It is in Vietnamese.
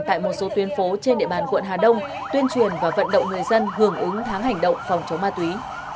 tại một số tuyến phố trên địa bàn quận hà đông tuyên truyền và vận động người dân hưởng ứng tháng hành động phòng chống ma túy